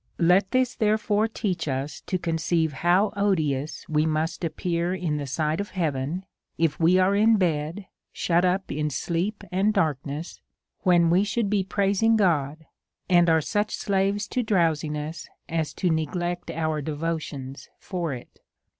Let this, therefore, teach us to conceive how odious we must appear in the sight of heavenj if we are in DEVOUT AND HOLY LIFE, 163 bedj shut up in sleep and darkness^ Avhen we should be praising God_, and are such slaves to drowsiness as to neglect our devotions for it.